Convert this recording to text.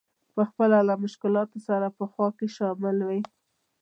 په خپله له مشکلاتو سره په خوا کې شامل وي.